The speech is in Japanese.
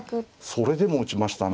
それでも打ちましたね。